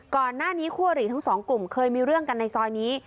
ก่อนหน้านี้คั่วหรี่ทั้งสองกลุ่มเคยมีเรื่องกันในซอยนี้